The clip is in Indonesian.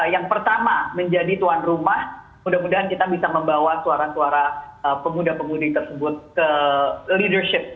yang pertama menjadi tuan rumah mudah mudahan kita bisa membawa suara suara pemuda pemudi tersebut ke leadership